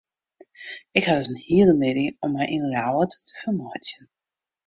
Ik ha dus in hiele middei om my yn Ljouwert te fermeitsjen.